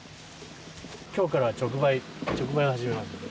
今日から直売直売を始めますので。